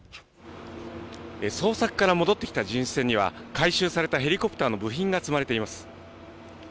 捜索から戻ってきた巡視船には、回収されたヘリコプターの部品が積まれています。